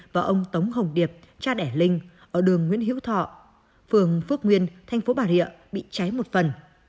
và ông tống hồng điệp cha đẻ linh ở đường nguyễn hữu thọ phường phước nguyên thành phố bà rịa bị cháy một phần